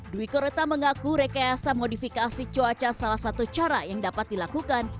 dwi koreta mengaku rekayasa modifikasi cuaca salah satu cara yang dapat dilakukan